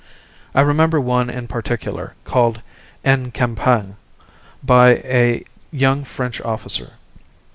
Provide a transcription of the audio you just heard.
I remember one in particular, called "En Campagne," by a young French officer.